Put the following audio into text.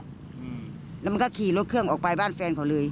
อืมแล้วมันก็ขี่รถเครื่องออกไปบ้านแฟนเขาเลย